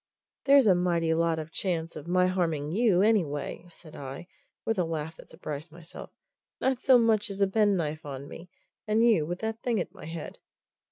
"There's a mighty lot of chance of my harming you, anyway!" said I, with a laugh that surprised myself. "Not so much as a penknife on me, and you with that thing at my head."